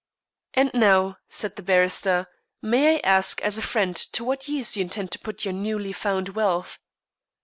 "And now," said the barrister, "may I ask as a friend to what use you intend to put your newly found wealth?"